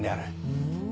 ふん。